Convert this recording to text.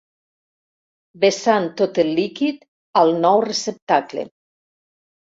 Vessant tot el líquid al nou receptacle.